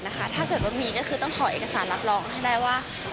ถ้าเกิดว่ามีก็คือต้องขอเอกสารรับรองให้ได้ว่า